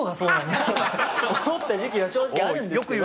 思った時期は正直あるんですけど。